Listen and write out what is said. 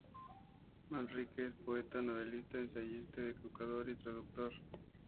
Manrique es poeta, novelista, ensayista, educador, y traductor.